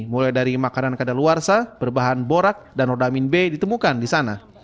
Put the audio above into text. mulai dari makanan kadaluarsa berbahan borak dan rodamin b ditemukan di sana